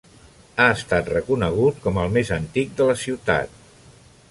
Ha estat reconegut com el més antic de la ciutat.